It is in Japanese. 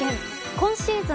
今シーズン